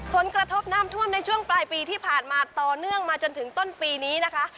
ผลกระทบน้ำท่วมในช่วงปลายปีที่ผ่านมาต่อเนื่องมาจนถึงต้นปีนี้นะคะ